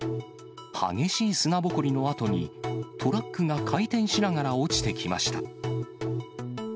激しい砂ぼこりのあとに、トラックが回転しながら落ちてきました。